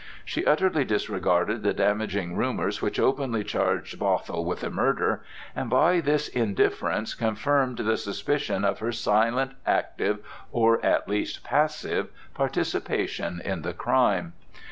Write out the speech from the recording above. She utterly disregarded the damaging rumors which openly charged Bothwell with the murder, and by this indifference confirmed the suspicion of her silent active (or at best, passive) participation in the crime.